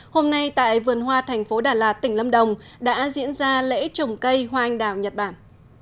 hôm nay tại vườn hoa thành phố đà lạt tỉnh lâm đồng đã diễn ra lễ trồng cây hoa anh đào nhật bản